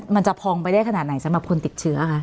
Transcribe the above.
มันจะพองไปได้ขนาดไหนสำหรับคนติดเชื้อคะ